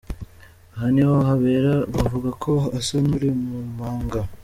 Aha niho bahera bavuga ko asa n’uri mu manga.